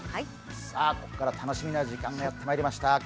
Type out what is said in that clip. ここから楽しみな時間がやってまいりました。